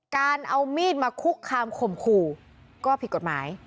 การเอามีดมาคุกคามข่มขู่ก็ผิดกฎหมาย